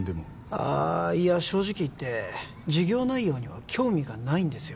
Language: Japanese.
ああいや正直言って事業内容には興味がないんですよ